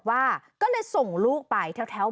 ว่าก็เลยส่งลูกไปแถว